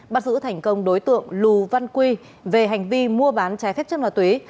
bắt giữ thành công đối tượng lù văn quy về hành vi mua bán trái phép chất ma túy